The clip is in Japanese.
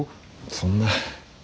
そんな。